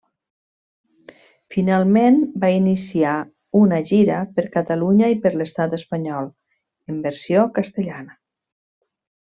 Finalment, va iniciar una gira per Catalunya i per l'Estat espanyol, en versió castellana.